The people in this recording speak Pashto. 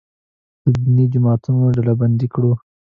دیني جماعتونه ډلبندي کړو.